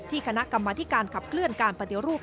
ที่คณะกรรมมาธิการขับเคลื่อนการประเดียวรูป